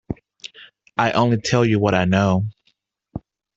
I only tell you what I know.